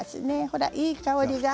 ほら、いい香りが。